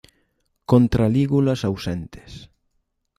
Contra-lígulas ausentes.